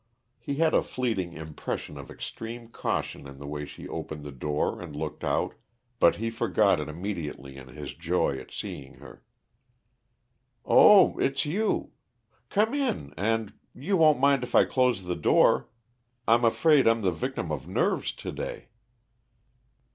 He had a fleeting impression of extreme caution in the way she opened the door and looked out, but he forgot it immediately in his joy at seeing her. "Oh, it's you. Come in, and you won't mind if I close the door? I'm afraid I'm the victim of nerves, to day."